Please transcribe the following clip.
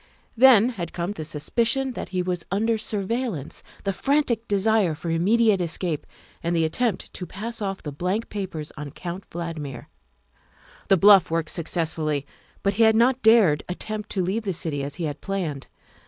Then had come the suspicion that he was under surveillance, the frantic desire for immediate escape, and the attempt to pass off the blank papers on Count Valdmir. The bluff worked successfully, but he had not dared attempt to leave the city as he had planned.